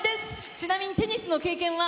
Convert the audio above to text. ちなみにテニスの経験は？